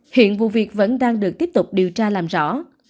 hiện vụ việc vẫn đang được tiếp tục điều tra làm rõ